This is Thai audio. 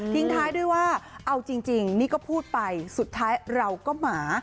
ท้ายด้วยว่าเอาจริงนี่ก็พูดไปสุดท้ายเราก็หมา